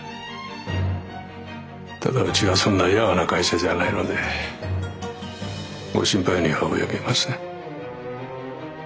ただうちはそんなやわな会社じゃないのでご心配には及びません。